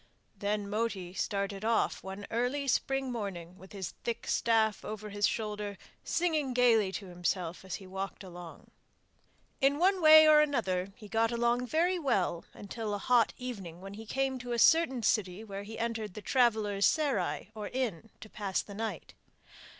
Then Moti started off one early spring morning with his thick staff over his shoulder, singing gaily to himself as he walked along. In one way and another he got along very well until a hot evening when he came to a certain city where he entered the travellers' 'serai' or inn to pass the night.